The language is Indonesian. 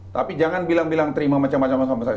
tapi jangan bilang bilang terima macam macam sama saya